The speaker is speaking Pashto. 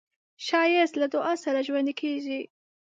ښایست له دعا سره ژوندی کېږي